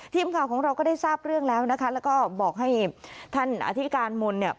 ทีมข่าวของเราก็ได้ทราบเรื่องแล้วนะคะแล้วก็บอกให้ท่านอธิการมนต์เนี่ย